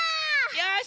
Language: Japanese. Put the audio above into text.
よし！